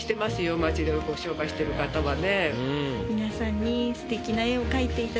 街で商売してる方はね。